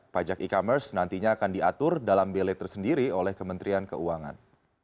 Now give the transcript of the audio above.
pajak e commerce nantinya akan diatur dalam bele tersendiri oleh kementerian keuangan